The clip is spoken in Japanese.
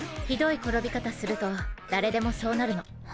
ひどい転び方すると誰でもそうなるの。